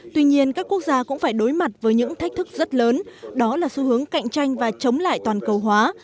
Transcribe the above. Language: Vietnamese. tuy nhiên các quốc gia cũng phải đối mặt với những thách thức rất lớn đó là xu hướng cạnh tranh và chống lại toàn cầu hóa